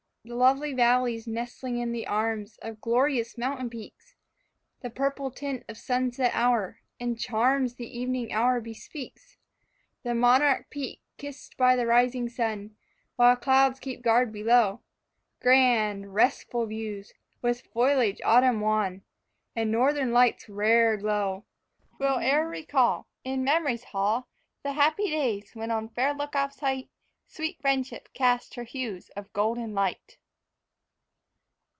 TO F. B. F. The lovely valleys nestling in the arms Of glorious mountain peaks; The purple tint of sunset hour, and charms The evening hour bespeaks; The monarch peak kissed by the rising sun, While clouds keep guard below; Grand, restful views, with foliage autumn won, And Northern lights rare glow, Will e'er recall, In memory's hall, The happy days when on fair "Look Off's" height, Sweet friendship cast her hues of golden light.